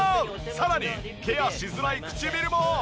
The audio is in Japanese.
さらにケアしづらい唇も。